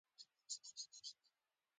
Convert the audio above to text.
او دلته به اصلی توجه په آډوانس خبرو وی.